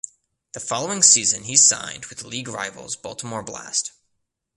The following season he signed with league rivals Baltimore Blast.